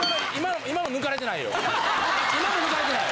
今も抜かれてない。